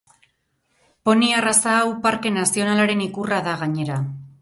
Poni arraza hau parke nazionalaren ikurra da gainera.